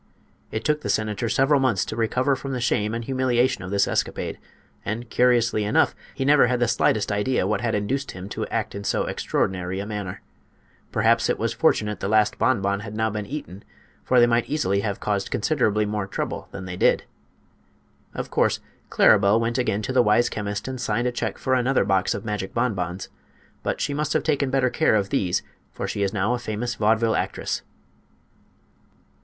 It took the senator several months to recover from the shame and humiliation of this escapade; and, curiously enough, he never had the slightest idea what had induced him to act in so extraordinary a manner. Perhaps it was fortunate the last bonbon had now been eaten, for they might easily have caused considerably more trouble than they did. Of course Claribel went again to the wise chemist and signed a check for another box of magic bonbons; but she must have taken better care of these, for she is now a famous vaudeville actress.